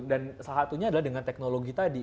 dan salah satunya adalah dengan teknologi tadi